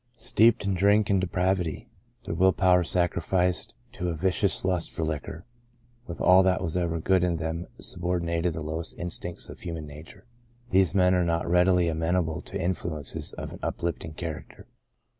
Steeped in drink and depravity, their will power sacrificed to a l8 The Greatest of These vicious lust for liquor, with all that was ever good in them subordinated to the lowest in stincts of human nature, these men are not readily amenable to influences of an uplifting character.